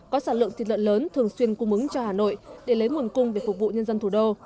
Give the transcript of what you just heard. có sản lượng thịt lợn lớn thường xuyên cung ứng cho hà nội để lấy nguồn cung về phục vụ nhân dân thủ đô